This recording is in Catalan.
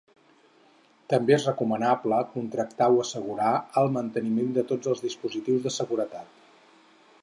També és recomanable contractar o assegurar el manteniment de tots els dispositius de seguretat.